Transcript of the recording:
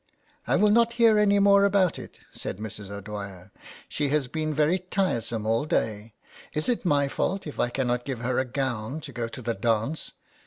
" I will not hear any more about it," said Mrs. O'Dwyer; "she has been very tiresome all day. Is it my fault if I cannot give her a gown to go to the dance